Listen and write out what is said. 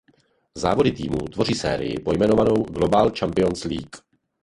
Závody týmů tvoří sérii pojmenovanou „Global Champions League“.